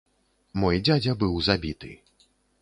Мой дзядзя быў забіты.